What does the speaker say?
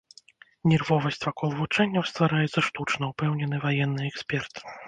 Нервовасць вакол вучэнняў ствараецца штучна, упэўнены ваенны эксперт.